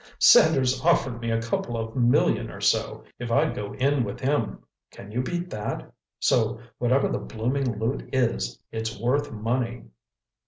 "Sanders offered me a couple of million or so, if I'd go in with him. Can you beat that? So whatever the blooming loot is, it's worth money!"